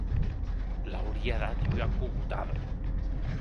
L'auria dat ua cogotada.